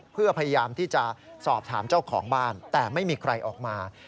เพื่อพยายามที่จะสอบถามเจ้าของบ้านแต่ไม่มีใครออกมา